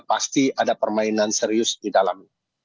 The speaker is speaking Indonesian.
pasti ada permainan serius di dalam